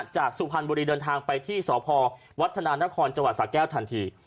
จากสุพรรณบุรีเดินทางไปที่สพวัฒนานครจสะแก้วทันที